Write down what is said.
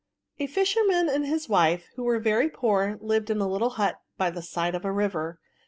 A fisherman and his wife, who were very poor, lived in a little hut by the side of a river.